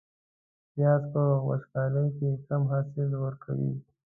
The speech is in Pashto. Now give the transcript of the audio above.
پیاز په وچکالو کې کم حاصل ورکوي